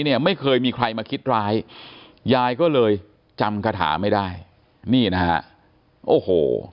เนี่ยไม่เคยมีใครมาคิดร้ายยายก็เลยจำคาถาไม่ได้นี่นะฮะโอ้โห